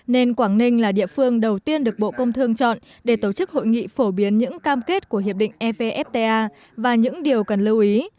nên quảng ninh là địa phương đầu tiên được bộ công thương chọn để tổ chức hội nghị phổ biến những cam kết của hiệp định evfta và những điều cần lưu ý